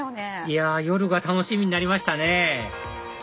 いや夜が楽しみになりましたね